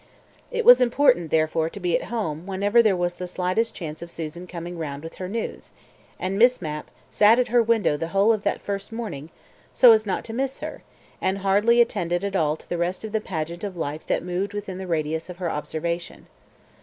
It was important, therefore, to be at home whenever there was the slightest chance of Susan coming round with her news, and Miss Mapp sat at her window the whole of that first morning, so as not to miss her, and hardly attended at all to the rest of the pageant of life that moved within the radius of her observation.